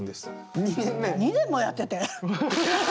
２年もやってて？